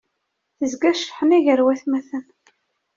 Tezga cceḥna gar watmaten.